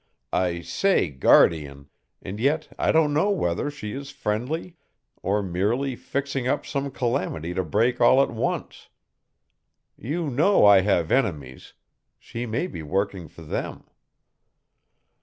I say guardian, and yet I don't know whether she is friendly or merely fixing up some calamity to break all at once. You know I have enemies. She may be working for them."